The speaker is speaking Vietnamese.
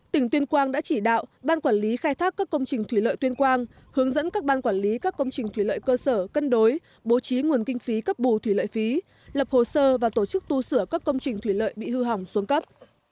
tỉnh tuyên quang đã chỉ đạo ban quản lý khai thác các công trình thủy lợi tuyên quang hướng dẫn các ban quản lý các công trình thủy lợi cơ sở cân đối bố trí nguồn kinh phí cấp bù thủy lợi phí lập hồ sơ và tổ chức tu sửa các công trình thủy lợi bị hư hỏng xuống cấp